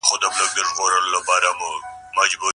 دا ټول د بشري تاريخ برخه ده.